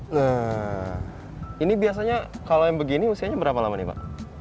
nah ini biasanya kalau yang begini usianya berapa lama nih pak